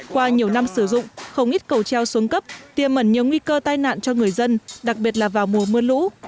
qua nhiều năm sử dụng không ít cầu treo xuống cấp tiềm ẩn nhiều nguy cơ tai nạn cho người dân đặc biệt là vào mùa mưa lũ